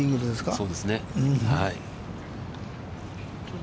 そうですね。